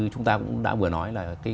chúng ta cũng đã vừa nói là